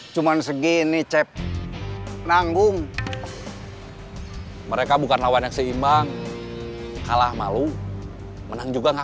sampai jumpa di video selanjutnya